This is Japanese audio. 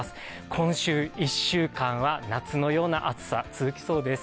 この週１週間は夏のような暑さ続きそうです。